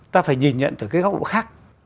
ta phải nhìn nhận từ cái góc độ khác